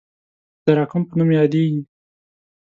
د تراکم په نوم یادیږي.